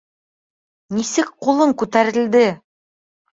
— Нисек ҡулың күтәрелде?